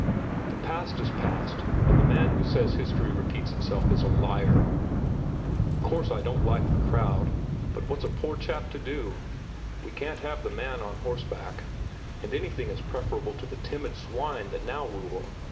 The past is past, and the man who says history repeats itself is a liar. Of course I don't like the crowd, but what's a poor chap to do? We can't have the man on horseback, and anything is preferable to the timid swine that now rule.